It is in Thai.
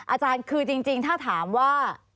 อาจารย์คือจริงถ้าถามว่า